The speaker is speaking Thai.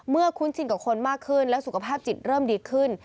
คุ้นชินกับคนมากขึ้นแล้วสุขภาพจิตเริ่มดีขึ้น